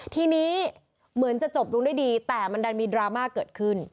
ทีนี้เหมือนจะจบลงด้วยดีแต่มันดันมีดราม่าเกิดขึ้น